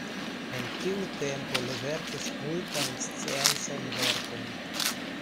En tiu tempo li verkis multajn sciencajn verkojn.